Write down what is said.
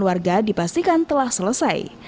warga dipastikan telah selesai